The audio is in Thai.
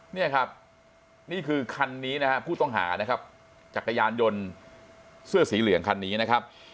นี่ครับนี่คือคันนี้นะฮะผู้ต้องหานะครับจักรยานยนต์เสื้อสีเหลืองคันนี้นะครับ